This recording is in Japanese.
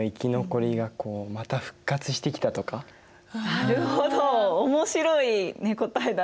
なるほど面白い答えだね。